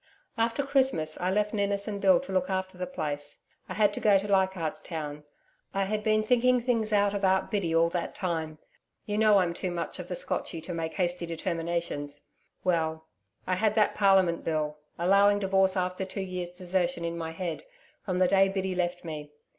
After Christmas I left Ninnis and Bill to look after the place. I had to go to Leichardt's Town. I had been thinking things out about Biddy all that time you know I'm too much of the Scotchy to make hasty determinations. Well, I had that Parliament Bill, allowing divorce after two years desertion in my head, from the day Biddy left me.